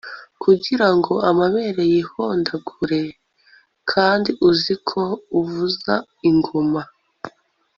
kugira ngo amabere yihondagure, kandi uzi ko uvuza ingoma